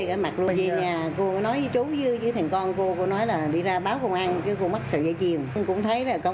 tôi cũng thấy là công an giỏi nhất